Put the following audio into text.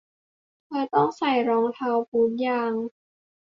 เธอต้องใส่รองเท้าบูทยาง